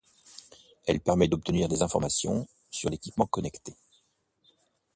Elle permet d'obtenir des informations sur l'équipement connecté.